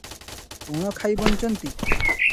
କଣ ଖାଇ ବଞ୍ଚନ୍ତି?